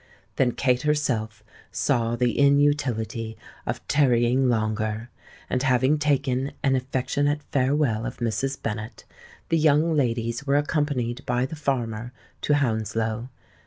Then Kate herself saw the inutility of tarrying longer; and, having taken an affectionate farewell of Mrs. Bennet, the young ladies were accompanied by the farmer to Hounslow.